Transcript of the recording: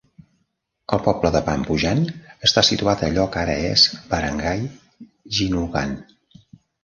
El poble de Pambujan està situat a allò que ara és Barangay Ginulgan.